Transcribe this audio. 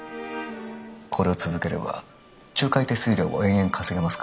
これを続ければ仲介手数料を延々稼げますから。